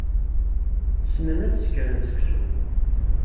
Ssnen ad sekren seksu.